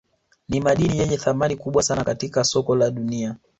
Nimadini yenye thamani kubwa sana katika soko la dunia